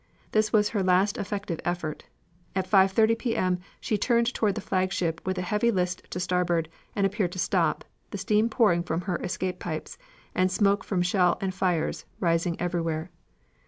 This was her last effective effort. At 5.30 P. M. she turned toward the flagship with a heavy list to starboard, and appeared to stop, the steam pouring from her escape pipes, and smoke from shell and fires rising everywhere.